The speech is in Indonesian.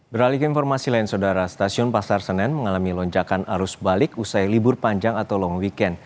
beralih ke informasi lain saudara stasiun pasar senen mengalami lonjakan arus balik usai libur panjang atau long weekend